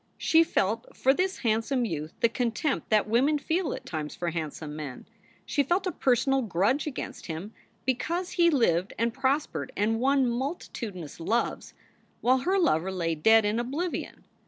She felt for this handsome youth the contempt that women feel at times for handsome men. She felt a personal grudge against him because he lived and prospered and won multitudinous loves, while her lover lay dead in oblivion.